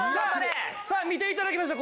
さあ見て頂きましょう。